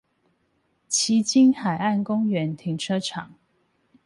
旗津海岸公園停車場